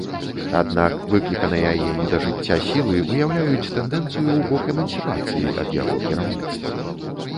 Аднак выкліканыя ім да жыцця сілы выяўляюць тэндэнцыю ў бок эмансіпацыі ад яго кіраўніцтва.